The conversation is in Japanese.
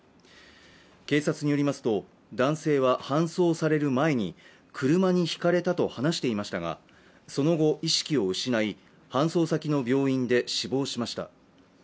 警察によりますと、男性は搬送される前に車にひかれたと話していましたが、その後、意識を失い搬送先の病院で死亡しました。